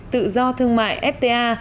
tự do thương mại fta